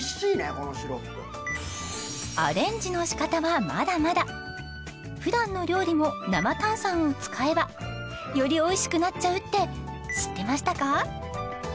このシロップアレンジの仕方はまだまだ普段の料理も生炭酸を使えばよりおいしくなっちゃうって知ってましたか？